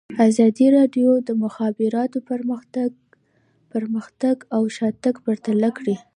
ازادي راډیو د د مخابراتو پرمختګ پرمختګ او شاتګ پرتله کړی.